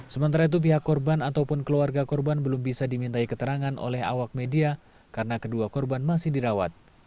sementara itu pihak korban ataupun keluarga korban belum bisa dimintai keterangan oleh awak media karena kedua korban masih dirawat